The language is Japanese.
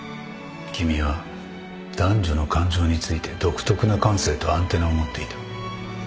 君は男女の感情について独特な感性とアンテナを持っていた